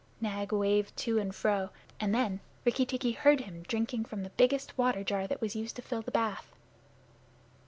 Nag waved to and fro, and then Rikki tikki heard him drinking from the biggest water jar that was used to fill the bath.